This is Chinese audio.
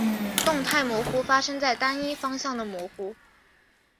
动态模糊发生在单一方向的模糊。